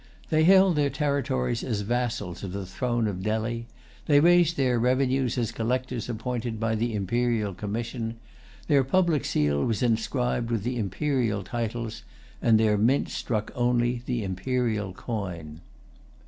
They held their territories as vassals of the throne of Delhi; they raised their revenues as collectors appointed by the imperial commission; their public seal was inscribed with the imperial titles; and their mint struck only the imperial coin.